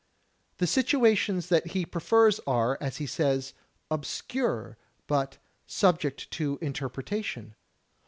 The situations that he prefers are, as he says, "obscure" but "subject to interpretation."